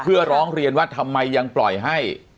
เพื่อร้องเรียนว่าทำไมยังปล่อยให้